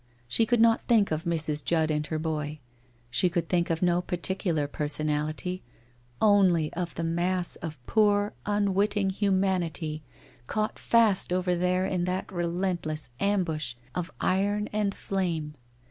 She could not think of Mrs. Judd and her boy, she could think of no particular personality, only of the mass of poor unwitting humanity caught fast over there in that relentless ambush of iron and flame.